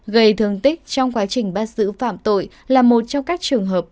gây thương tích trong quá trình bắt giữ phạm tội là một trong các trường hợp